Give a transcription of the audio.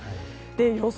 予想